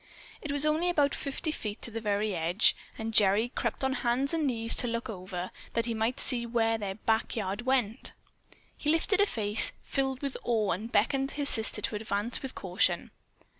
It was only about fifty feet to the very edge, and Gerry crept on hands and knees to look over, that he might see where their "back yard went." He lifted a face filled with awe and beckoned his sister to advance with caution.